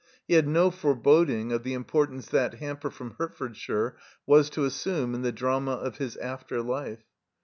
He had no foreboding of the importance that hamper from Hertfordshire was to assume in the drama of his after life.